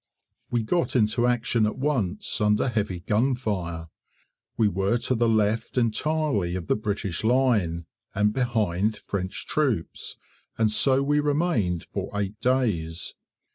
We got into action at once, under heavy gunfire. We were to the left entirely of the British line, and behind French troops, and so we remained for eight days.